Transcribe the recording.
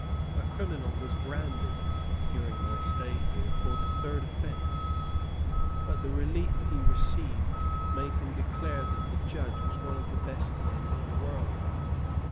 A criminal was branded, during my stay here, for the third offence; but the relief he received made him declare that the judge was one of the best men in the world.